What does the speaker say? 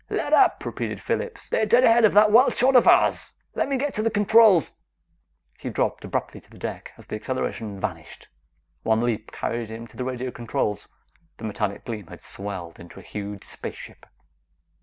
"Let up!" repeated Phillips. "They're dead ahead of that wild shot of ours. Let me get to the controls!" He dropped abruptly to the deck as the acceleration vanished. One leap carried him to the radio controls. The metallic gleam had swelled into a huge spaceship.